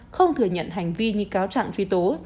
không thừa nhận hành vi như cáo trạng truy tố